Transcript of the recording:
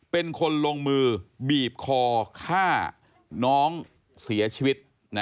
เป็นคนลงมือบีบคอฆ่าน้องเสียชีวิต